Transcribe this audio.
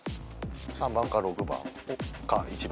３番か６番か１番。